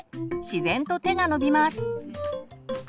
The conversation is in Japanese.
自然と手が伸びます。